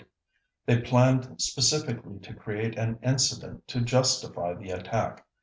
They planned specifically to create an "incident" to "justify" the attack.